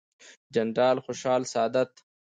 جنرال خوشحال سادات،